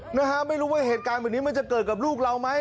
นะฮะไม่รู้ว่าเหตุการณ์แบบนี้มันจะเกิดกับลูกเราไหม